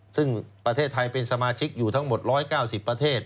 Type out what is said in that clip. ซึ่งประเทศไทยเป็นสมาชิกอยู่ทั้งหมด๑๙๐ประเทศ